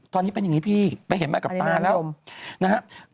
ตอนนี้เป็นอย่างนี้พี่ไปเห็นมากับปลานะอันนี้แม่น้ำโยม